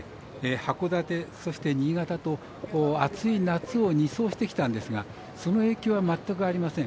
函館そして新潟と暑い夏を２走してきたんですがその影響は全くありません。